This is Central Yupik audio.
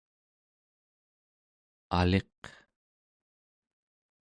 aliq